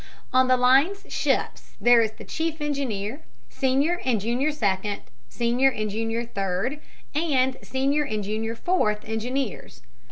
On the line's ships there is the chief engineer, senior and junior second, senior and junior third, and senior and junior fourth engineers.